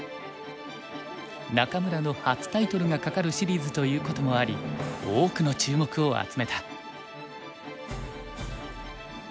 仲邑の初タイトルがかかるシリーズということもあり多くの注目を集めた。